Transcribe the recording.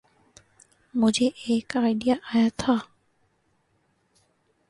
مجھے ایک آئڈیا آیا تھا۔